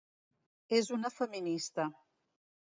Es una feminista.